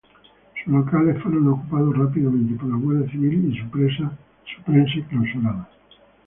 Sus locales fueron ocupados rápidamente por la Guardia Civil y su prensa clausurada.